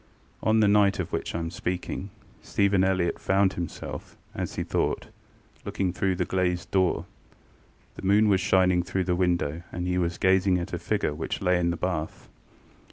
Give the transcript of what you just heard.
On the night of which I am speaking, Stephen Elliott found himself, as he thought, looking through the glazed door. The moon was shining through the window, and he was gazing at a figure which lay in the bath.